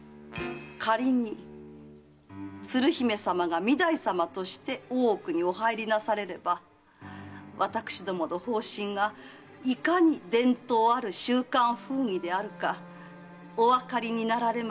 仮に鶴姫様が御台様として大奥にお入りなされれば私どもの方針がいかに伝統ある習慣風儀であるかおわかりになられましょう。